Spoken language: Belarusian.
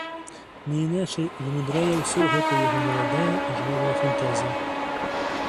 Не іначай вымудрае ўсё гэта яго маладая жвавая фантазія.